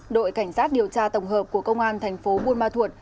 đội cảnh sát điều tra tổng hợp của công an thành phố buôn ma thuột